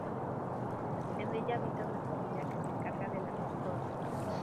En ella habita una familia que se encarga de la custodia.